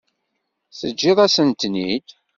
Teǧǧiḍ-asent-ten-id.